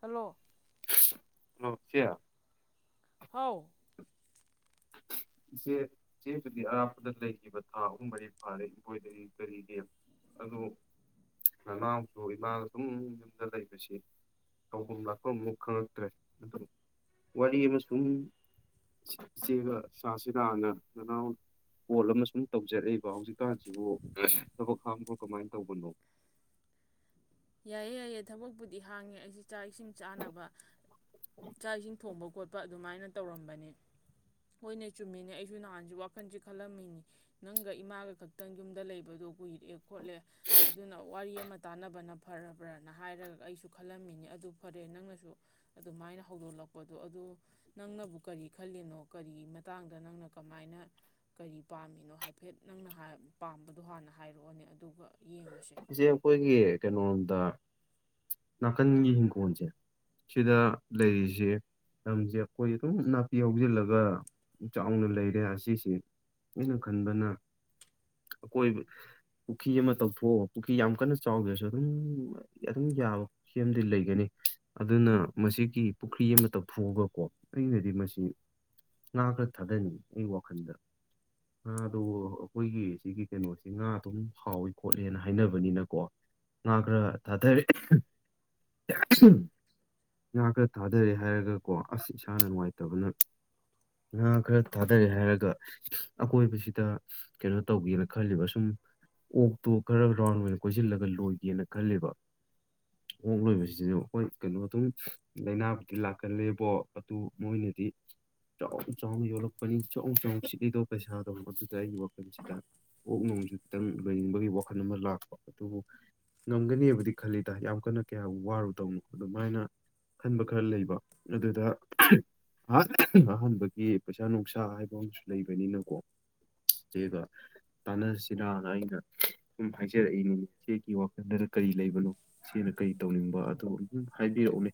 Hello hello ꯏꯆꯦ ꯍꯥꯎ ꯏꯆꯦ ꯏꯆꯦꯗꯨꯗꯤ ꯑꯔꯥꯞꯄꯗ ꯂꯩꯈꯤꯕ ꯊꯥ ꯑꯍꯨꯝ ꯃꯔꯤ ꯐꯥꯔꯦ ꯏꯝꯕ꯭ꯔꯣꯏꯗꯔꯤ ꯀꯔꯤꯒꯤ ꯑꯗꯣ ꯅꯅꯥꯎꯁꯨ ꯏꯃꯥꯒ ꯁꯨꯝ ꯌꯨꯝꯗ ꯂꯩꯕꯁꯤ ꯇꯧꯐꯝ ꯂꯥꯛꯐꯝ ꯑꯃ ꯈꯪꯉꯛꯇ꯭ꯔꯦ ꯑꯗꯨ ꯋꯥꯔꯤ ꯑꯃ ꯁꯨꯝ ꯏꯆꯦꯒ ꯁꯥꯁꯤ ꯂꯥꯟꯅ ꯅꯅꯥꯎ ꯄꯣꯠ ꯑꯃ ꯁꯨꯝ ꯇꯧꯖꯔꯛꯏꯕ ꯍꯧꯖꯤꯛꯀꯥꯟꯁꯤꯕꯨ ꯊꯕꯛ ꯍꯥꯡꯕ꯭ꯔꯣ ꯀꯃꯥꯏ ꯇꯧꯕꯅꯣ ꯌꯥꯏꯌꯦ ꯌꯥꯏꯌꯦ ꯊꯕꯛꯄꯨꯗꯤ ꯍꯥꯡꯉꯦ ꯑꯩꯁ ꯆꯥꯛ ꯏꯁꯤꯡ ꯆꯥꯅꯕ ꯆꯥꯛ ꯏꯁꯤꯡ ꯊꯣꯡꯕ ꯈꯣꯠꯄ ꯑꯗꯨꯃꯥꯏꯅ ꯇꯧꯔꯝꯕꯅꯦ ꯍꯣꯏꯅꯦ ꯆꯨꯝꯃꯤꯅꯦ ꯑꯩꯁꯨ ꯅꯍꯥꯟꯁꯤ ꯋꯥꯈꯜꯁꯤ ꯈꯜꯂꯝꯃꯤꯅꯤ ꯅꯪꯒ ꯏꯃꯥꯒ ꯈꯛꯇꯪ ꯌꯨꯝꯗ ꯂꯩꯕꯗꯣ ꯀꯨꯏꯔꯦ ꯈꯣꯠꯂꯦ ꯑꯗꯨꯅ ꯋꯥꯔꯤ ꯑꯃ ꯇꯥꯟꯅꯕꯅ ꯐꯔꯕ꯭ꯔꯅ ꯍꯥꯏꯔꯒ ꯑꯩꯁꯨ ꯈꯜꯂꯝꯃꯤꯅꯤ ꯑꯗꯨ ꯐꯔꯦ ꯅꯪꯅꯁꯨ ꯑꯗꯨꯃꯥꯏꯅ ꯍꯧꯗꯣꯛꯂꯛꯄꯗꯣ ꯑꯗꯣ ꯅꯪꯅꯕꯨ ꯀꯔꯤ ꯈꯜꯂꯤꯅꯣ ꯀꯔꯤ ꯃꯇꯥꯡꯗ ꯅꯪꯅ ꯀꯃꯥꯏꯅ ꯀꯔꯤ ꯄꯥꯝꯃꯤꯅꯣ ꯍꯥꯏꯐꯦꯠ ꯅꯪꯅ ꯍꯥꯏ ꯄꯥꯝꯕꯗꯣ ꯍꯥꯟꯅ ꯍꯥꯏꯔꯛꯑꯣꯅꯦ ꯑꯗꯨꯒ ꯌꯦꯡꯉꯁꯦ ꯏꯆꯦ ꯑꯩꯈꯣꯏꯒꯤ ꯀꯩꯅꯣꯔꯣꯝꯗ ꯅꯥꯀꯟꯒꯤ ꯏꯪꯈꯣꯜꯁꯦ ꯁꯤꯗ ꯂꯩꯔꯤꯁꯦ ꯂꯝꯁꯦ ꯑꯩꯈꯣꯏ ꯑꯗꯨꯝ ꯅꯥꯄꯤ ꯍꯧꯖꯤꯜꯂꯒ ꯆꯥꯎꯅ ꯂꯩꯔꯦ ꯑꯁꯤꯁꯦ ꯑꯩꯅ ꯈꯟꯕꯅ ꯑꯀꯣꯏ ꯄꯨꯈ꯭ꯔꯤ ꯑꯃ ꯇꯧꯊꯣꯛ ꯄꯨꯈ꯭ꯔꯤ ꯌꯥꯝ ꯀꯟꯅ ꯆꯥꯎꯗ꯭ꯔꯁꯨ ꯑꯗꯨꯝ ꯑꯗꯨꯝ ꯌꯥꯕ ꯄꯨꯈꯤ ꯑꯝꯗꯤ ꯂꯩꯒꯅꯤ ꯑꯗꯨꯅ ꯃꯁꯤꯒꯤ ꯄꯨꯈ꯭ꯔꯤ ꯑꯃ ꯇꯧꯊꯣꯛꯑꯒꯀꯣ ꯑꯩꯅꯗꯤ ꯃꯁꯤ ꯉꯥ ꯈꯔ ꯊꯥꯗꯅꯤꯡꯉꯤ ꯑꯩ ꯋꯥꯈꯜꯗ ꯉꯥꯗꯨ ꯑꯩꯈꯣꯏꯒꯤ ꯁꯤꯒꯤ ꯀꯩꯅꯣꯁꯤ ꯉꯥ ꯑꯗꯨꯝ ꯍꯥꯎꯋꯤ ꯈꯣꯠꯂꯦꯅ ꯍꯥꯏꯅꯕꯅꯤꯅꯀꯣ ꯉꯥ ꯈꯔ ꯊꯥꯗꯔꯦ ꯉꯥ ꯈꯔ ꯊꯥꯗꯔꯦ ꯍꯥꯏꯔꯒꯀꯣ ꯑꯁ ꯏꯁꯥꯅ ꯅꯨꯡꯉꯥꯏꯇꯕꯅ ꯉꯥ ꯈꯔ ꯊꯥꯗꯔꯦ ꯍꯥꯏꯔꯒ ꯑꯀꯣꯏꯕꯁꯤꯗ ꯀꯩꯅꯣ ꯇꯧꯒꯦꯅ ꯈꯜꯂꯤꯕ ꯁꯨꯝ ꯑꯣꯛꯇꯣ ꯔꯥꯎꯟ ꯀꯣꯏꯁꯤꯜꯂꯒ ꯂꯣꯏꯒꯦꯅ ꯈꯜꯂꯤꯕ ꯑꯣꯛ ꯂꯣꯏꯕꯁꯤꯁꯨ ꯍꯣꯏ ꯀꯩꯅꯣ ꯑꯗꯨꯝ ꯂꯥꯏꯅꯥꯕꯨꯗꯤ ꯂꯥꯛꯀꯜꯂꯦꯕꯣ ꯑꯗꯨ ꯃꯣꯏꯅꯗꯤ ꯆꯥꯎ ꯆꯥꯎꯅ ꯌꯣꯜꯂꯛꯄꯅꯤ ꯆꯥꯎ ꯆꯥꯎ ꯁꯤꯠꯂꯤꯗꯣ ꯄꯩꯁꯥꯗꯧ ꯑꯗꯨꯗꯨꯗ ꯑꯩꯒꯤ ꯋꯥꯈꯜꯁꯤꯗ ꯑꯣꯛ ꯅꯨꯡꯁꯨ ꯈꯤꯇꯪ ꯂꯣꯏꯅꯤꯡꯕꯒꯤ ꯋꯥ ꯋꯥꯈꯜ ꯑꯃ ꯂꯥꯛꯄ ꯑꯗꯨꯕꯨ ꯉꯝꯒꯅꯦꯕꯨꯗꯤ ꯈꯜꯂꯤ ꯇ ꯌꯥꯝ ꯀꯟꯅ ꯀꯌꯥ ꯋꯥꯔꯨꯗꯧꯅꯣ ꯑꯗꯨꯃꯥꯏꯅ ꯈꯟꯕ ꯈꯔ ꯂꯩꯕ ꯑꯗꯨꯗ ꯑꯍꯥꯟꯕꯒꯤ ꯄꯩꯁꯥ ꯅꯨꯡꯁꯥ ꯍꯥꯏꯕ ꯑꯃꯁꯨ ꯂꯩꯕꯅꯤꯅꯀꯣ ꯏꯆꯦꯒ ꯇꯥꯟꯅꯁꯤꯔꯅ ꯑꯩꯅ ꯁꯨꯝ ꯍꯥꯏꯖꯔꯛꯏꯅꯦꯅꯦ ꯆꯦꯒꯤ ꯋꯥꯈꯜꯗꯗ ꯀꯔꯤ ꯂꯩꯕꯅꯣ ꯆꯦꯅ ꯀꯔꯤ ꯇꯧꯅꯤꯡꯕ ꯑꯗꯨ ꯑꯗꯨꯝ ꯍꯥꯏꯕꯤꯔꯛꯎꯅꯦ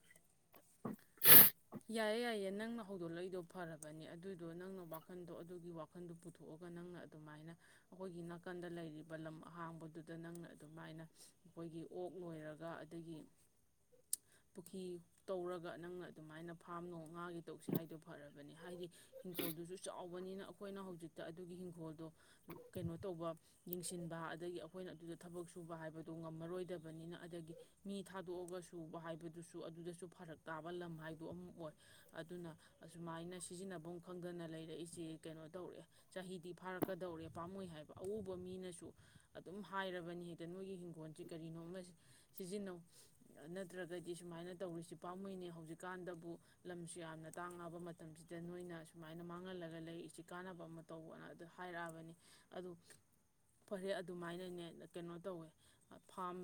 ꯌꯥꯏꯌꯦ ꯌꯥꯏꯌꯦ ꯅꯪꯅ ꯍꯧꯗꯣꯛꯂꯛꯏꯗꯣ ꯐꯔꯕꯅꯤ ꯑꯗꯨꯗꯣ ꯅꯪꯅ ꯋꯥꯈꯟꯗꯣ ꯑꯗꯨꯒꯤ ꯋꯥꯈꯟꯗꯣ ꯄꯨꯊꯣꯛꯑꯒ ꯅꯪꯅ ꯑꯗꯨꯃꯥꯏꯅ ꯑꯩꯈꯣꯏꯒꯤ ꯅꯥꯀꯟꯗ ꯂꯩꯔꯤꯕ ꯂꯝ ꯑꯍꯥꯡꯕꯗꯨꯗ ꯅꯪꯅ ꯑꯗꯨꯃꯥꯏꯅ ꯑꯩꯈꯣꯏꯒꯤ ꯑꯣꯛ ꯂꯣꯏꯔꯒ ꯑꯗꯒꯤ ꯄꯨꯈ꯭ꯔꯤ ꯇꯧꯔꯒ ꯅꯪꯅ ꯑꯗꯨꯃꯥꯏꯅ ꯐꯥꯝ ꯅꯣꯡ ꯉꯥꯒꯤ ꯇꯧꯁꯦ ꯍꯥꯏꯗꯣ ꯐꯔꯕꯅꯤ ꯍꯥꯏꯗꯤ ꯍꯤꯡꯒꯣꯜꯗꯨꯁꯨ ꯆꯥꯎ ꯇꯧꯕꯅꯤꯅ ꯑꯩꯈꯣꯏꯅ ꯍꯧꯖꯤꯛꯇ ꯑꯗꯨꯒꯤ ꯍꯤꯡꯈꯣꯜꯗꯣ ꯀꯩꯅꯣ ꯇꯧꯕ ꯌꯦꯡꯁꯤꯟꯕ ꯑꯗꯒꯤ ꯑꯩꯈꯣꯏꯅ ꯑꯗꯨꯗ ꯊꯕꯛ ꯁꯨꯕ ꯍꯥꯏꯕꯗꯣ ꯉꯝꯃꯔꯣꯏꯗꯕꯅꯤꯅ ꯑꯗꯒꯤ ꯃꯤ ꯊꯥꯗꯣꯛꯑꯒ ꯁꯨꯕ ꯍꯥꯏꯕꯗꯨꯁꯨ ꯑꯗꯨꯗꯁꯨ ꯐꯔꯛ ꯇꯥꯕ ꯂꯝ ꯍꯥꯏꯗꯣ ꯑꯃ ꯑꯣꯏ ꯑꯗꯨꯅ ꯑꯁꯨꯃꯥꯏꯅ ꯁꯤꯖꯤꯟꯅꯐꯝ ꯈꯪꯗꯅ ꯂꯩꯔꯛꯏꯁꯤ ꯀꯩꯅꯣ ꯇꯧꯔꯛꯑꯦ ꯆꯍꯤꯗꯤ ꯐꯥꯔꯛꯀꯗꯧꯔꯦ ꯄꯥꯝꯃꯨꯏ ꯍꯥꯏꯕ ꯑꯎꯕ ꯃꯤꯅꯁꯨ ꯑꯗꯨꯝ ꯍꯥꯏꯔꯕꯅꯤ ꯍꯦꯛꯇ ꯅꯣꯏꯒꯤ ꯍꯤꯡꯈꯣꯜꯁ ꯀꯔꯤꯅꯣꯃ ꯁꯤꯖꯤꯟꯅꯧ ꯅꯠꯇ꯭ꯔꯒꯗꯤ ꯁꯨꯃꯥꯏꯅ ꯇꯧꯔꯤꯁꯤ ꯄꯥꯝꯃꯨꯏꯅꯦ ꯍꯧꯖꯤꯛꯀꯥꯟꯗꯕꯨ ꯂꯝꯁꯨ ꯌꯥꯝꯅ ꯇꯥꯡꯉꯥꯕ ꯃꯇꯝꯁꯤꯗ ꯅꯣꯏꯅ ꯁꯨꯃꯥꯏꯅ ꯃꯥꯡ ꯂꯒ ꯂꯩꯔꯤꯁꯤ ꯀꯥꯅꯕꯥ ꯑꯃꯥ ꯇꯧ ꯍꯥꯏꯔꯛꯑꯕꯅꯤ ꯑꯗꯨ ꯐꯔꯦ ꯑꯗꯨꯃꯥꯏꯅꯅꯦ ꯀꯩꯅꯣ ꯇꯧꯋꯦ ꯐꯝ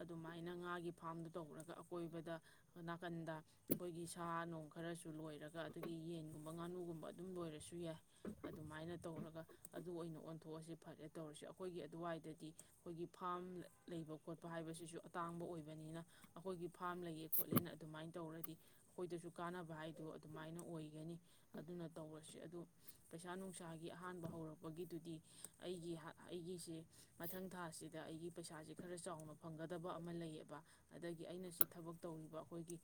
ꯑꯗꯨꯃꯥꯏꯅ ꯉ ꯐꯝ ꯇꯔ ꯑꯀꯣꯏꯕꯗ ꯅꯥꯀꯟꯗ ꯑꯈꯣꯏꯒꯤ ꯁꯥ ꯅꯨꯡ ꯈꯔꯁꯨ ꯂꯣꯏꯔꯒ ꯑꯗꯒꯤ ꯌꯦꯟꯒꯨꯝꯕ ꯉꯥꯅꯨꯒꯨꯝꯕ ꯑꯗꯨꯝ ꯂꯣꯏꯔꯁꯨ ꯌꯥꯏ ꯑꯗꯨꯃꯥꯏꯅ ꯇꯧꯔꯒ ꯑꯗꯨ ꯑꯣꯏꯅ ꯑꯣꯟꯊꯣꯛꯑꯁ ꯐꯔꯦ ꯇꯧꯔꯁꯨ ꯑꯩꯈꯣꯏꯒꯤ ꯑꯗꯨꯋꯥꯏꯗꯗꯤ ꯑꯩꯈꯣꯏꯒꯤ ꯐꯥꯝ ꯂꯩꯕ ꯈꯣꯠꯄ ꯍꯥꯏꯕꯁꯤꯁꯨ ꯑꯇꯥꯡꯕ ꯑꯣꯏꯕꯅꯤꯅ ꯑꯩꯈꯣꯏꯒꯤ ꯐꯥꯔꯝ ꯂꯩꯌꯦ ꯈꯣꯠꯂꯦꯅ ꯑꯗꯨꯃꯥꯏꯅ ꯇꯧꯔꯗꯤ ꯑꯩꯈꯣꯏꯗꯁꯨ ꯀꯥꯟꯅꯕ ꯍꯥꯏꯗꯣ ꯑꯗꯨꯃꯥꯏꯅ ꯑꯣꯏꯒꯅꯤ ꯑꯗꯨꯅ ꯇꯧꯔꯁ ꯑꯗꯨ ꯄꯩꯁꯥ ꯅꯨꯡꯁꯥꯒꯤ ꯑꯍꯥꯟꯕ ꯍꯧꯔꯛꯄꯒꯤꯗꯨꯗꯤ ꯑꯩꯒꯤ ꯑꯩꯒꯤꯁꯦ ꯃꯊꯪ ꯊꯥꯁꯤꯗ ꯑꯩꯒꯤ ꯄꯩꯁꯥꯁꯦ ꯈꯔ ꯆꯥꯎꯅ ꯐꯪꯒꯗꯕ ꯑꯃ ꯂꯩꯌꯦꯕ ꯑꯗꯒꯤ ꯑꯩꯅ ꯁꯤ ꯊꯕꯛ ꯇꯧꯔꯤꯕ ꯑꯩꯈꯣꯏꯒꯤ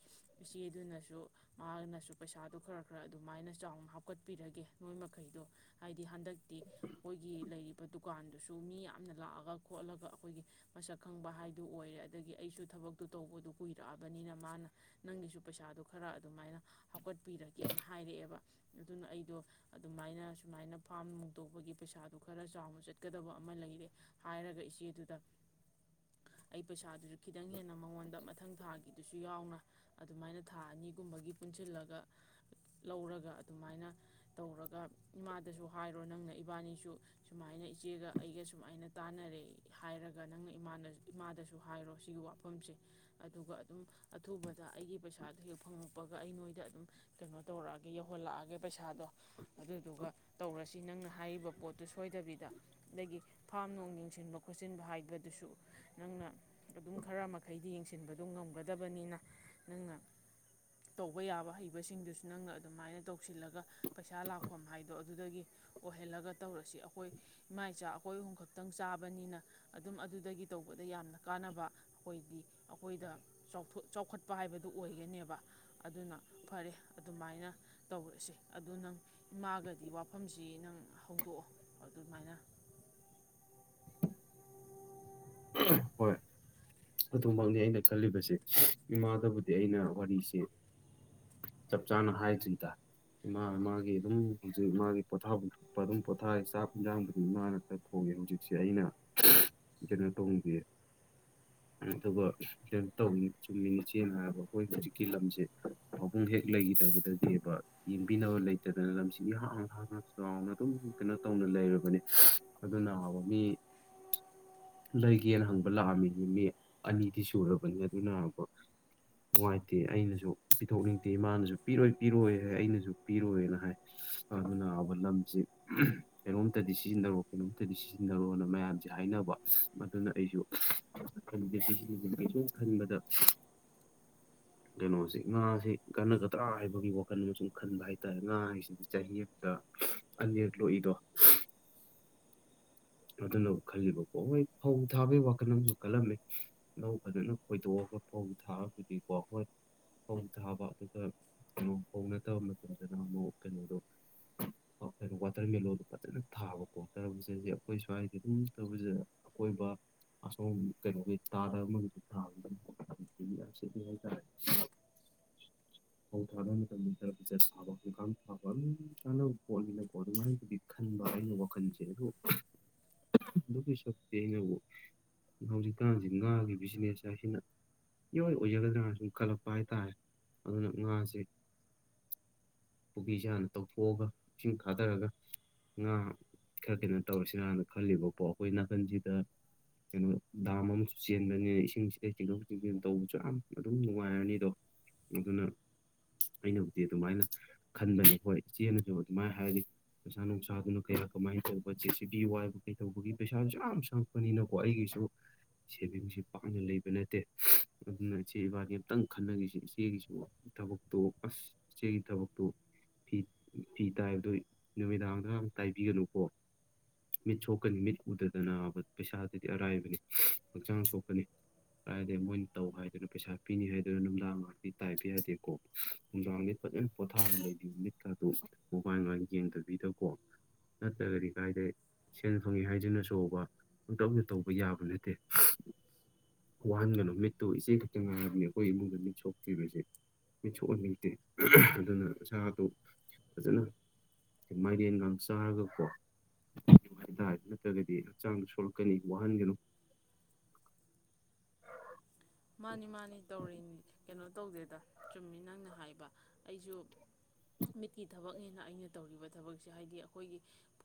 ꯏꯆꯦ ꯑꯗꯨꯅꯁꯨ ꯃꯥꯅꯁꯨ ꯄꯩꯁꯥꯗꯣ ꯈꯔ - ꯈꯔ ꯑꯗꯨꯃꯥꯏꯅ ꯆꯥꯎꯅ ꯍꯥꯞꯀꯠꯄꯤꯔꯒꯦ ꯅꯣꯏ ꯃꯈꯩꯗꯣ ꯍꯥꯏꯗꯤ ꯍꯟꯗꯛꯇꯤ ꯑꯩꯈꯣꯏꯒꯤ ꯂꯩꯔꯤꯕ ꯗꯨꯀꯥꯟꯗꯨꯁꯨ ꯃꯤ ꯌꯥꯝꯅ ꯂꯥꯛꯑꯒ ꯈꯣꯠꯂꯒ ꯑꯩꯈꯣꯏꯒꯤ ꯃꯁꯛ ꯈꯪꯕ ꯍꯥꯏꯗꯨ ꯑꯣꯏꯔꯦ ꯑꯗꯒꯤ ꯑꯩꯁꯨ ꯊꯕꯛꯇꯨ ꯇꯧꯕꯗꯨ ꯀꯨꯏꯔꯛꯑꯕꯅꯤꯅ ꯃꯥꯅ ꯅꯪꯒꯤꯁꯨ ꯄꯩꯁꯥꯗꯣ ꯈꯔ ꯑꯗꯨꯃꯥꯏꯅ ꯍꯥꯞꯀꯠꯄꯤꯔꯒꯦꯅ ꯍꯥꯏꯔꯛꯑꯦꯕ꯫ ꯑꯗꯨꯅ ꯑꯩꯗꯣ ꯑꯗꯨꯃꯥꯏꯅ ꯁꯨꯃꯥꯏꯅ ꯐꯥꯝ ꯅꯨꯡ ꯇꯧꯕꯒꯤ ꯄꯩꯁꯥꯗꯨ ꯈꯔ ꯆꯥꯎꯅ ꯆꯠꯀꯗꯕ ꯑꯃ ꯂꯩꯔꯦ ꯍꯥꯏꯔꯒ ꯏꯆꯦꯗꯨꯗ ꯑꯩ ꯄꯩꯁꯥꯗꯨꯁꯨ ꯈꯤꯇꯪ ꯍꯦꯟꯅ ꯃꯉꯣꯟꯗ ꯃꯊꯪ ꯊꯥꯒꯤꯗꯨꯁꯨ ꯌꯥꯎꯅ ꯑꯗꯨꯃꯥꯏꯅ ꯊꯥ ꯑꯅꯤꯒꯨꯝꯕꯒꯤ ꯄꯨꯟꯁꯤꯜꯂꯒ ꯂꯧꯔꯒ ꯑꯗꯨꯃꯥꯏꯅ ꯇꯧꯔꯒ ꯏꯃꯥꯗꯁꯨ ꯍꯥꯏꯔꯣ ꯅꯪꯅ ꯏꯕꯥꯅꯤꯁꯨ ꯁꯨꯃꯥꯏꯅ ꯏꯆꯦꯒ ꯑꯩꯒ ꯁꯨꯃꯥꯏꯅ ꯇꯥꯟꯅꯔꯦ ꯍꯥꯏꯔꯒ ꯅꯪꯅ ꯏꯃꯥꯗꯁꯨ ꯍꯥꯏꯔꯣ ꯁꯤꯒꯤ ꯋꯥꯐꯝꯁꯦ꯫ ꯑꯗꯨꯒ ꯑꯗꯨꯝ ꯑꯊꯨꯕ ꯑꯩꯒꯤ ꯄꯩꯁꯥꯗꯨꯣ ꯍꯦꯛ ꯐꯪꯉꯛꯄꯒ ꯑꯩ ꯅꯣꯏꯗ ꯑꯗꯨꯝ ꯀꯩꯅꯣ ꯇꯧꯔꯛꯑꯒꯦ ꯌꯧꯍꯜꯂꯛꯑꯒꯦ ꯄꯩꯁꯥꯗꯣ ꯑꯗꯨꯗꯨꯒ ꯇꯧꯔꯁꯤ ꯅꯪꯅ ꯍꯥꯏꯔꯤꯕ ꯄꯣꯠꯇꯨ ꯁꯣꯏꯗꯕꯤꯗ ꯑꯗꯒꯤ ꯐꯥꯝ ꯌꯦꯡꯁꯤꯟꯕ ꯈꯣꯠꯆꯤꯟꯕ ꯍꯥꯏꯕꯗꯨꯁꯨ ꯅꯪꯅ ꯑꯗꯨꯝ ꯈꯔ ꯃꯈꯩꯗꯤ ꯌꯦꯡꯁꯤꯟꯕꯗꯣ ꯉꯝꯒꯗꯕꯅꯤꯅ ꯅꯪꯅ ꯇꯧꯕ ꯌꯥꯕ ꯍꯩꯕꯁꯤꯡꯗꯨꯁꯨ ꯅꯪꯅ ꯑꯗꯨꯃꯥꯏꯅ ꯇꯧꯁꯤꯜꯂꯒ ꯄꯩꯁꯥ ꯂꯥꯛꯐꯝ ꯍꯥꯏꯗꯣ ꯑꯗꯨꯗꯒꯤ ꯑꯣꯏꯍꯜꯂꯒ ꯇꯧꯔꯁꯤ ꯑꯩꯈꯣꯏ ꯏꯃꯥ - ꯏꯆꯥ ꯑꯩꯈꯣꯏ ꯑꯍꯨꯝ ꯈꯛꯇꯪ ꯆꯥꯕꯅꯤꯅ ꯑꯗꯨꯝ ꯑꯗꯨꯗꯒꯤ ꯇꯧꯕꯗ ꯌꯥꯝꯅ ꯀꯥꯟꯅꯕ ꯑꯩꯈꯣꯏꯗꯤ ꯑꯩꯈꯣꯏꯗ ꯆꯥꯎꯊꯣꯛ ꯆꯥꯎꯈꯠꯄ ꯍꯥꯏꯕꯗꯨ ꯑꯣꯏꯒꯅꯦꯕ ꯑꯗꯨꯅ ꯐꯔꯦ ꯑꯗꯨꯃꯥꯏꯅ ꯇꯧꯔꯁꯦ ꯑꯗꯨ ꯅꯪ ꯏꯃꯥꯒꯗꯤ ꯋꯥꯐꯝꯁꯤ ꯅꯪ ꯍꯧꯗꯣꯛꯑꯣ ꯑꯗꯨꯃꯥꯏꯅ꯫ ꯍꯣꯏ꯫ ꯑꯗꯨꯃꯛꯅꯤ ꯑꯩꯅ ꯈꯜꯂꯤꯕꯁꯦ ꯏꯃꯥꯗꯕꯨꯗꯤ ꯑꯩꯅ ꯋꯥꯔꯤꯁꯤ ꯆꯞ ꯆꯥꯅ ꯍꯥꯏꯗ꯭ꯔꯤ ꯗ ꯏꯃꯥ ꯃꯥꯒꯤ ꯑꯗꯨꯝ ꯍꯧꯖꯤꯛ ꯃꯥꯒꯤ ꯄꯣꯊꯥꯐꯝꯊꯣꯛꯄ ꯑꯗꯨꯝ ꯄꯣꯊꯥꯔꯤ ꯆꯥꯛ ꯏꯟꯖꯥꯡꯕꯨꯗꯤ ꯏꯃꯥꯅ ꯈꯔ ꯊꯣꯡꯉꯦ ꯍꯧꯖꯤꯛꯁꯦ ꯑꯩꯅ ꯀꯩꯅꯣ ꯇꯧꯗꯦ꯫ ꯑꯗꯨꯒ ꯀꯩꯅꯣ ꯇꯧꯏ ꯆꯨꯝꯃꯤ ꯏꯆꯦꯅ ꯍꯥꯏꯔꯕ ꯑꯩꯈꯣꯏ ꯍꯧꯖꯤꯛꯀꯤ ꯂꯝꯁꯦ ꯄꯕꯨꯡ ꯍꯦꯛ ꯂꯩꯈꯤꯗꯕꯗꯒꯤꯕ ꯌꯦꯡꯕꯤꯅꯕ ꯂꯩꯇꯗꯅ ꯂꯝꯁꯤ ꯏꯍꯥꯡ ꯍꯥꯡꯅ ꯆꯥꯎꯅ ꯑꯗꯨꯝ ꯀꯩꯅꯣ ꯇꯧꯅ ꯂꯩꯔꯕꯅꯤ ꯑꯗꯨꯅꯕ ꯃꯤ ꯂꯩꯒꯦꯅ ꯍꯪꯕ ꯂꯥꯛꯑꯝꯃꯤ꯫ ꯃꯤ ꯑꯅꯤꯗꯤ ꯁꯨꯔꯕꯅꯤ ꯑꯗꯨꯅꯕ ꯅꯨꯡꯉꯥꯏꯇꯦ ꯑꯩꯅꯁꯨ ꯄꯤꯊꯣꯛꯅꯤꯡꯗꯦ ꯏꯃꯥꯅꯁꯨ ꯄꯤꯔꯣꯏ - ꯄꯤꯔꯣꯏ ꯍꯥꯏ ꯑꯩꯅꯁꯨ ꯄꯤꯔꯣꯏꯅ ꯍꯥꯏ ꯑꯗꯨꯅꯕ ꯂꯝꯁꯤ ꯀꯩꯅꯣꯝꯇꯗꯤ ꯁꯤꯖꯤꯟꯅꯔꯣ ꯀꯩꯅꯣꯝꯇꯗꯤ ꯁꯤꯖꯤꯟꯅꯔꯣꯅ ꯃꯌꯥꯝꯁꯦ ꯍꯥꯏꯅꯕ ꯑꯗꯨꯅ ꯑꯩꯁꯨ [unintelligible] ꯁꯨꯝ ꯈꯟꯕꯗ ꯀꯩꯅꯣꯁꯦ ꯉꯥꯁꯦ ꯀꯥꯟꯅꯒꯗ꯭ꯔꯥ ꯍꯥꯏꯕꯒꯤ ꯋꯥꯈꯜ ꯑꯃ ꯁꯨꯝ ꯈꯟꯕ ꯍꯥꯏꯇꯥꯔꯦ ꯉꯥ ꯍꯥꯏꯁꯤꯗꯤ ꯆꯍꯤ ꯑꯃꯗ ꯑꯅꯤ ꯔꯛ ꯂꯣꯛꯏꯗꯣ꯫ ꯑꯗꯨꯅ ꯈꯜꯂꯤꯕꯀꯣ ꯍꯣꯏ ꯐꯧ ꯊꯥꯕꯒꯤ ꯋꯥꯈꯜ ꯑꯃꯁꯨ ꯈꯜꯂꯝꯃꯤ ꯂꯧ ꯐꯖꯅ ꯈꯣꯏꯗꯣꯛꯑꯒ ꯐꯧ ꯊꯥꯔꯒꯗꯤꯀꯣ ꯍꯣꯏ ꯐꯧ ꯊꯥꯕ ꯑꯗꯨꯒ ꯀꯩꯅꯣ ꯐꯧ ꯅꯠꯇꯕ ꯃꯇꯝꯗꯅ ꯑꯃꯨꯛ ꯀꯩꯅꯣꯗꯣ ꯀꯩꯅꯣ ꯋꯥꯇꯔ ꯃꯦꯂꯣꯟ ꯗꯣ ꯐꯖꯅ ꯊꯥꯕ ꯀꯤ ꯇꯔꯕꯨꯁꯁꯦ꯫ ꯑꯩꯈꯣꯏ ꯁ꯭ꯋꯥꯏꯗ ꯑꯗꯨꯝ ꯇꯧꯕꯗ ꯑꯀꯣꯏꯕ ꯑꯁꯣꯝ ꯀꯩꯅꯣꯒꯤ ꯇꯥꯗꯕ ꯑꯃꯒꯤ ꯊꯥꯕ ꯁꯤ ꯍꯥꯏꯇꯥꯔꯦ ꯐꯧ ꯊꯥꯗꯕ ꯃꯇꯝꯗꯗ ꯐꯖꯠ ꯁꯥꯕ ꯈꯣꯡꯈꯥꯡ ꯊꯥꯕ ꯑꯗꯨꯝ ꯆꯥꯅꯕ ꯄꯣꯠꯅꯤꯅꯀꯣ ꯑꯗꯨꯃꯥꯏꯗꯨꯗꯤ ꯈꯟꯕ ꯑꯩꯅ ꯋꯥꯈꯜꯁꯦ ꯑꯗꯨ ꯑꯗꯨꯒꯤ ꯁꯛꯇꯤ ꯑꯩꯅꯕꯨ ꯍꯧꯖꯤꯛꯀꯥꯟꯁꯤ ꯉꯥꯒꯤ ꯕꯤꯖꯤꯅꯦꯁꯁꯦ ꯍꯅ ꯏꯔꯣꯏ ꯑꯣꯏꯖꯒꯗ꯭ꯔꯥꯅ ꯁꯨꯝ ꯈꯜꯂꯛꯄ ꯍꯥꯏꯇꯥꯥꯔꯦ ꯑꯗꯨꯅ ꯉꯥꯁꯦ ꯄꯨꯀꯤ ꯆꯥꯅ ꯇꯧꯊꯣꯛꯑꯒ ꯏꯁꯤꯡ ꯊꯥꯗꯔꯒ ꯉꯥ ꯈꯔ ꯀꯩꯅꯣ ꯇꯧꯔꯁꯤꯔꯅ ꯈꯜꯂꯤꯕꯀꯣ ꯑꯩꯈꯣꯏ ꯅꯥꯀꯟꯁꯤꯗ ꯀꯩꯅꯣ ꯗꯥꯝ ꯑꯃꯁꯨ ꯆꯦꯟꯕꯅꯤꯅ ꯏꯁꯤꯡꯁꯤꯗ ꯆꯤꯡꯊꯣꯛ - ꯆꯤꯡꯁꯤꯟ ꯇꯧꯕꯁꯨ ꯌꯥꯝ ꯑꯗꯨꯝ ꯅꯨꯡꯉꯥꯏꯔꯅꯤ ꯑꯗꯣ ꯑꯗꯨꯅ ꯑꯩꯅꯕꯨꯗꯤ ꯑꯗꯨꯃꯥꯏꯅ ꯈꯟꯕꯅꯦ ꯍꯣꯏ ꯏꯆꯦꯅꯁꯨ ꯑꯗꯨꯃꯥꯏꯅ ꯍꯥꯏꯔꯗꯤ ꯅꯨꯡꯁꯥ ꯅꯨꯡꯁꯥꯗꯨꯅ ꯀꯌꯥ ꯀꯃꯥꯏꯅ ꯇꯧ ꯖꯦ ꯁꯤ ꯕꯤ ꯋꯥꯏꯕ ꯀꯩꯗꯧꯕꯒꯤ ꯄꯩꯁꯥꯁꯨ ꯌꯥꯝ ꯆꯪꯉꯛꯄꯅꯤꯅꯀꯣ ꯑꯩꯒꯤꯁꯨ ꯁꯦꯚꯤꯡꯁꯦ ꯄꯥꯛꯝꯅ ꯂꯩꯕ ꯅꯠꯇꯦ ꯑꯗꯨꯅ ꯏꯆꯦ ꯏꯕꯥꯅꯤ ꯑꯝꯇꯪ ꯈꯟꯅꯈꯤꯁꯤꯦ ꯏꯆꯦꯒꯤꯁꯨ ꯊꯕꯛꯇꯣ ꯑꯁ ꯏꯆꯦꯒꯤ ꯊꯕꯛꯇꯣ ꯐꯤ ꯐꯤ ꯇꯥꯏꯕꯗꯣ ꯅꯨꯃꯤꯗꯥꯡꯗ ꯌꯥꯝ ꯇꯥꯏꯕꯤꯒꯅꯨꯀꯣ꯫ ꯃꯤꯠ ꯁꯣꯛꯀꯅꯤ ꯃꯤꯠ ꯎꯗꯗꯅꯕ ꯄꯩꯁꯥꯗꯗꯤ ꯑꯔꯥꯏꯕꯅꯤ ꯍꯛꯆꯥꯡ ꯁꯣꯛꯀꯅꯤ ꯑꯔꯥꯏꯗ ꯃꯣꯏꯅ ꯇꯧ ꯍꯥꯏꯗꯅ ꯄꯩꯁꯥ ꯄꯤꯅꯤ ꯍꯥꯏꯗꯅ ꯅꯨꯡꯗꯥꯡ ꯉꯥꯛꯇꯤ ꯇꯥꯏꯕ ꯌꯥꯗꯦꯀꯣ ꯅꯨꯡꯗꯥꯡꯗꯤ ꯐꯖꯅ ꯄꯣꯊꯥꯔꯒ ꯂꯩꯕꯤꯌꯨ ꯃꯤꯠꯀꯥꯗꯨ ꯃꯣꯕꯥꯏꯜ ꯃꯥꯏꯜ ꯌꯦꯡꯗꯕꯤꯗꯀꯣ ꯅꯠꯇ꯭ꯔꯒꯗꯤ ꯀꯥꯏꯗ ꯁꯦꯟ ꯐꯪꯉꯤ ꯍꯥꯏꯗꯨꯅꯁꯨꯕ ꯄꯥꯪꯇꯧꯗ ꯇꯧꯕ ꯌꯥꯕ ꯅꯠꯇꯦ ꯋꯥꯍꯟꯒꯅꯨ ꯃꯤꯠꯇꯨ ꯏꯆꯦ ꯈꯛꯇ ꯉꯥꯏꯔꯕꯅꯤ ꯑꯩꯈꯣꯏ ꯏꯃꯨꯡꯗ ꯃꯤꯠ ꯁꯣꯛꯇ꯭ꯔꯤꯕꯁꯦ ꯃꯤꯠ ꯁꯣꯛꯍꯟꯅꯤꯡꯗꯦ ꯑꯗꯨꯅ ꯁꯥꯗꯨ ꯐꯖꯅ ꯃꯥꯏꯔꯦꯟꯒ ꯆꯥꯔꯒꯀꯣ ꯅꯨꯡꯉꯥꯏꯇꯥꯏꯗ ꯅꯠꯇ꯭ꯔꯒꯗꯤ ꯍꯛꯆꯥꯡꯗꯣ ꯁꯣꯛꯂꯛꯀꯅꯤ ꯋꯥꯍꯟꯒꯅꯨ꯫ ꯃꯥꯅꯤ- ꯃꯥꯅꯤ ꯇꯧꯔꯤꯅꯤ ꯀꯩꯅꯣ ꯇꯧꯗꯦꯗ ꯆꯨꯝꯃꯤ ꯅꯪꯅ ꯍꯥꯏꯕ ꯑꯩꯁꯨ ꯃꯤꯠꯀꯤ ꯊꯕꯛꯅꯦꯅ ꯑꯩꯅ ꯇꯧꯔꯤꯕ ꯊꯕꯛꯁꯦ ꯍꯥꯏꯗꯤ ꯑꯩꯈꯣꯏꯒꯤ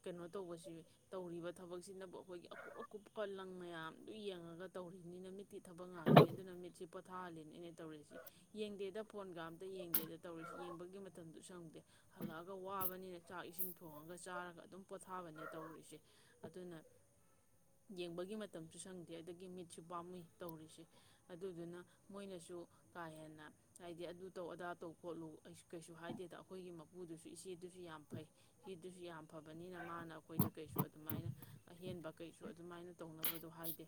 ꯀꯩꯅꯣ ꯇꯧꯕꯁꯤ ꯇꯧꯔꯤꯕ ꯊꯕꯛꯁꯤꯅꯕꯨ ꯑꯩꯈꯣꯏꯒꯤ ꯑꯀꯨꯞ- ꯑꯀꯨꯞꯄ ꯂꯪ ꯃꯌꯥꯝꯗꯨ ꯌꯦꯡꯉꯒ ꯇꯧꯔꯤꯕꯅꯤꯅ ꯃꯤꯠꯇꯤ ꯊꯕꯛ ꯉꯥꯛ ꯅꯤ ꯑꯗꯨꯅ ꯃꯤꯠꯁꯤ ꯄꯣꯊꯥꯍꯜꯂꯤꯅꯦ ꯑꯩꯅ꯫ ꯇꯧꯔꯤꯁꯤ ꯌꯦꯡꯗꯦꯗ ꯐꯣꯟꯒ ꯑꯝꯇ ꯌꯦꯡꯗꯦꯗ ꯇꯧꯔꯤꯁꯤ꯫ ꯌꯦꯡꯕꯒꯤ ꯃꯇꯝꯁꯨ ꯁꯪꯗꯦ ꯍꯜꯂꯛꯑꯒ ꯋꯥꯕꯅꯤꯅ ꯆꯥꯛ ꯏꯁꯤꯡ ꯊꯣꯡꯉꯒ ꯆꯥꯔꯒ ꯑꯗꯨꯝ ꯄꯣꯊꯥꯕꯅꯦ ꯇꯧꯔꯤꯁꯦ ꯑꯗꯨꯅ ꯌꯦꯡꯕꯒꯤ ꯃꯇꯝꯁꯨ ꯁꯪꯗꯦ ꯑꯗꯒꯤ ꯃꯤꯠꯁꯨ ꯄꯥꯝꯃꯨꯏ ꯇꯧꯔꯤꯁꯦ꯫ ꯑꯗꯨꯗꯨꯅ ꯃꯣꯏꯅꯁꯨ ꯀꯥ ꯍꯦꯟꯅ ꯍꯥꯏꯗꯤ ꯑꯗꯨ ꯇꯧ ꯑꯗꯥ ꯇꯧ ꯈꯣꯠꯂꯨ ꯀꯩꯁꯨ ꯍꯥꯏꯗꯦꯗ ꯑꯩꯈꯣꯏꯒꯤ ꯃꯄꯨꯗꯨꯁꯨ ꯏꯆꯦꯗꯨꯁꯨ ꯌꯥꯝ ꯐꯩ ꯃꯤꯗꯨꯁꯨ ꯌꯥꯝ ꯐꯕꯅꯤꯅ ꯃꯥꯅ ꯑꯩꯈꯣꯏꯗ ꯀꯩꯁꯨ ꯑꯗꯨꯃꯥꯏꯅ ꯑꯍꯦꯟꯕ ꯀꯩꯁꯨ ꯑꯗꯨꯃꯥꯏꯅ ꯇꯧꯅꯕꯗꯣ ꯍꯥꯏꯗꯦ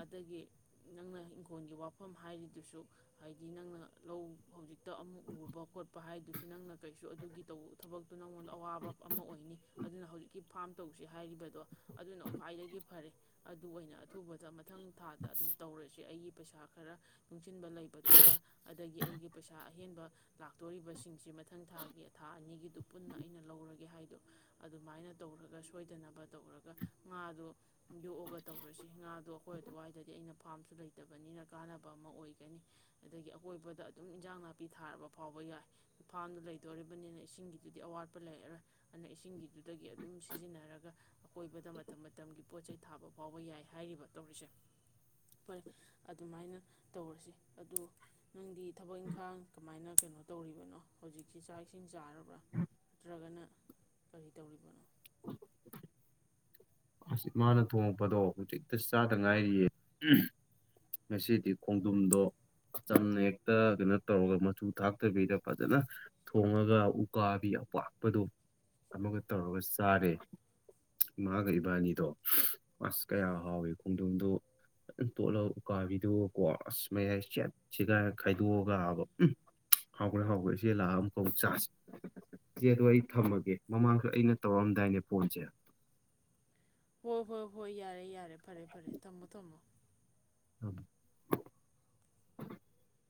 ꯑꯗꯒꯤ ꯅꯪꯅ ꯏꯪꯈꯣꯜꯒꯤ ꯋꯥꯐꯝ ꯍꯥꯏꯔꯤꯗꯨꯁꯨ ꯍꯥꯏꯗꯤ ꯅꯪꯅ ꯂꯧ ꯍꯧꯖꯤꯛꯇ ꯑꯃꯨꯛ ꯎꯕ ꯈꯣꯠꯄ ꯍꯥꯏꯗꯨꯁꯨ ꯅꯪꯅ ꯀꯩꯁꯨ ꯑꯗꯨꯒꯤ ꯇꯧ ꯊꯕꯛꯇꯨ ꯅꯪꯉꯣꯟꯗ ꯑꯋꯥꯕ ꯑꯃ ꯑꯣꯏꯅꯤ ꯑꯗꯨꯅ ꯍꯧꯖꯤꯛꯀꯤ ꯐꯥꯝ ꯇꯧꯁꯤ ꯍꯥꯏꯔꯤꯕꯗꯣ ꯑꯗꯨꯅ ꯈ꯭ꯋꯥꯏꯗꯒꯤ ꯐꯔꯦ ꯑꯗꯨ ꯑꯣꯏꯅ ꯑꯊꯨꯕꯗ ꯃꯊꯪ ꯊꯥꯗ ꯑꯗꯨꯝ ꯇꯧꯔꯁꯦ ꯑꯩꯒꯤ ꯄꯩꯁꯥ ꯈꯔ ꯅꯨꯡꯁꯤꯟꯕ ꯂꯩꯕꯗꯨꯒ ꯑꯗꯒꯤ ꯑꯩꯒꯤ ꯄꯩꯁꯥ ꯑꯍꯦꯟꯕ ꯂꯥꯛꯇꯣꯔꯤꯕꯁꯤꯡꯁꯤ ꯃꯊꯪ ꯊꯥꯒꯤ ꯊꯥ ꯑꯅꯤꯒꯤꯗꯨ ꯄꯨꯟꯅ ꯑꯩꯅ ꯂꯧꯔꯒꯦ ꯍꯥꯏꯗꯣ ꯑꯗꯨꯃꯥꯏꯅ ꯇꯧꯔꯒ ꯁꯣꯏꯗꯅꯕ ꯇꯧꯔꯒ ꯉꯥꯗꯣ ꯌꯣꯛꯑꯒ ꯇꯧꯔꯁꯤ ꯉꯥꯗꯣ ꯑꯩꯈꯣꯏ ꯑꯗꯨꯋꯥꯏꯗꯗꯤ ꯑꯩꯅ ꯐꯥꯝꯁꯨ ꯂꯩꯇ ꯂꯩꯇꯕꯅꯤꯅ ꯀꯥꯟꯅꯕ ꯑꯃ ꯑꯣꯏꯒꯅꯤ ꯑꯗꯒꯤ ꯑꯀꯣꯏꯕꯗ ꯑꯗꯨꯝ ꯏꯟꯖꯥꯡ ꯅꯥꯄꯤ ꯊꯥꯔꯕ ꯐꯥꯎꯕ ꯌꯥꯏ ꯐꯥꯝꯗꯨ ꯂꯩꯗꯣꯔꯤꯕꯅꯤꯅ ꯏꯁꯤꯡꯒꯤꯗꯨꯗꯤ ꯑꯋꯥꯠꯄ ꯂꯩꯔꯔꯣꯏ ꯑꯗꯨꯅ ꯏꯁꯤꯡꯒꯤꯗꯨꯗꯒꯤ ꯑꯗꯨꯝ ꯁꯤꯖꯤꯟꯅꯔꯒ ꯀꯣꯏꯕꯗ ꯃꯇꯝ ꯃꯇꯝꯒꯤ ꯄꯣꯠ ꯆꯩꯩ ꯊꯥꯕ ꯐꯥꯎꯕ ꯌꯥꯏ ꯍꯥꯏꯔꯤꯕ ꯇꯧ ꯔꯤꯁꯦ ꯐꯔꯦ ꯑꯗꯨꯃꯥꯏꯅ ꯇꯧꯔꯁꯤ ꯑꯗꯨ ꯅꯪꯗꯤ ꯊꯕꯛ ꯏꯪꯈꯥꯡ ꯀꯃꯥꯏꯅ ꯀꯩꯅꯣ ꯇꯧꯔꯤꯕꯅꯣ ꯍꯧꯖꯤꯛꯁꯤ ꯆꯥꯛ ꯏꯁꯤꯡ ꯆꯥꯔꯕ꯭ꯔꯥ ꯅꯠꯇ꯭ꯔꯒꯅ ꯀꯔꯤ ꯇꯧꯔꯤꯕꯅꯣ ꯑꯁꯃꯅ ꯊꯣꯡꯉꯛꯄꯗꯣ ꯍꯧꯖꯤꯛꯇ ꯆꯥꯗ ꯉꯥꯏꯔꯤꯌꯦ ꯉꯁꯤꯗꯤ ꯈꯣꯡꯖꯨꯝꯗꯣ ꯑꯆꯝꯅ ꯍꯦꯛꯇ ꯀꯩꯅꯣ ꯇꯧꯔꯒ ꯃꯆꯨ ꯊꯥꯛꯇꯕꯤꯗ ꯐꯖꯅ ꯊꯣꯡꯉꯒ ꯎꯀꯥꯕꯤ ꯑꯄꯥꯛꯄꯗꯣ ꯑꯃꯒ ꯇꯧꯔꯒ ꯆꯥꯔꯦ ꯏꯃꯥꯒ ꯏꯕꯥꯅꯤꯗꯣ ꯑꯁ ꯀꯌꯥ ꯍꯥꯎꯏꯤ ꯈꯣꯡꯗꯣꯝꯗꯣ ꯑꯗꯨ ꯇꯣꯠꯂꯒ ꯎꯀꯥꯕꯤꯗꯨꯀꯣ ꯑꯁ ꯃꯌꯥꯏ ꯆꯦꯠꯁꯤꯒꯥꯏꯔ ꯈꯥꯏꯗꯣꯛꯑꯒꯕ ꯎ ꯍꯥꯎꯈ꯭ꯔꯦ ꯍꯥꯎꯈ꯭ꯔꯦ ꯏꯆꯦ ꯂꯥꯛꯑ ꯑꯃꯀꯥꯎ ꯆꯥꯥꯁ ꯏꯆꯦꯗꯣ ꯑꯩ ꯊꯝꯃꯒꯦ ꯃꯃꯥꯡꯁꯨ ꯑꯩꯅ ꯇꯧꯔꯑꯝꯗꯥꯏꯅꯦ ꯐꯣꯟꯁꯦ ꯍꯣꯏ ꯍꯣꯏ ꯍꯣꯏ ꯌꯥꯔꯦ ꯌꯥꯔꯦ ꯐꯔꯦ ꯐꯔꯦ ꯊꯝꯃꯣ ꯊꯝꯃꯣ ꯑ